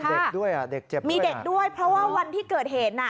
เด็กด้วยอ่ะเด็กเจ็บด้วยมีเด็กด้วยเพราะว่าวันที่เกิดเหตุน่ะ